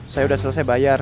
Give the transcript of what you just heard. saya udah selesai bayar